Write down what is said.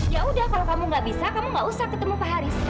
yaudah kalau kamu nggak bisa kamu nggak usah ketemu pak haris